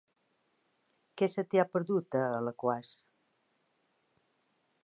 Què se t'hi ha perdut, a Alaquàs?